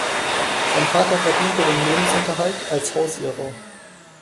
Sein Vater verdiente den Lebensunterhalt als Hausierer.